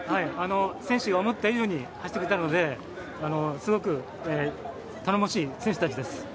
選手が思った以上に走ってくれたので、すごく頼もしい選手たちです。